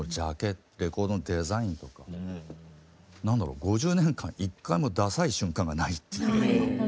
レコードのデザインとか何だろう５０年間一回もダサい瞬間がないっていう。